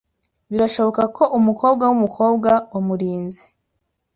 Birashoboka ko umukobwa wumukobwa wa Murinzi.